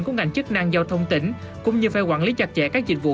của ngành chức năng giao thông tỉnh cũng như phải quản lý chặt chẽ các dịch vụ